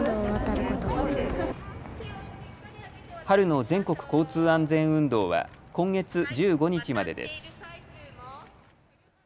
春の全国交通安全運動は今月１５日までです。